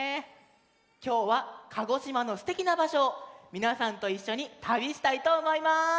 きょうは鹿児島のすてきなばしょをみなさんといっしょにたびしたいとおもいます。